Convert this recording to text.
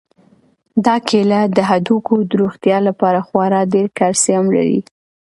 دا کیله د هډوکو د روغتیا لپاره خورا ډېر کلسیم لري.